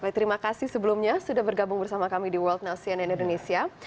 baik terima kasih sebelumnya sudah bergabung bersama kami di world now cnn indonesia